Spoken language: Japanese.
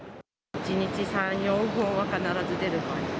１日３、４本は必ず出る感じ。